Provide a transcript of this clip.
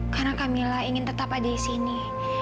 karena kamila ingin tetap ada disini